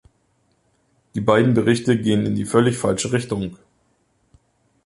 Die beiden Berichte gehen in die völlig falsche Richtung.